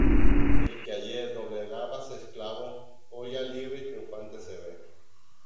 El que ayer doblegabase esclavo, hoy ya libre y triunfante se vé;